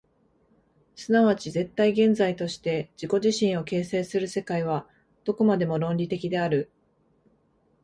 即ち絶対現在として自己自身を形成する世界は、どこまでも論理的である。